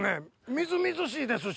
みずみずしいですし。